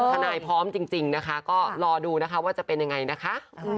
พร้อมจริงนะคะก็รอดูนะคะว่าจะเป็นยังไงนะคะ